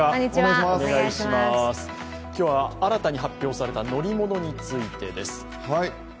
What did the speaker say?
今日は新たに発表された乗り物についてです。